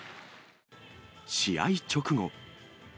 試合直後。